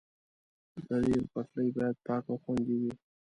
د ریل پټلۍ باید پاکه او خوندي وي.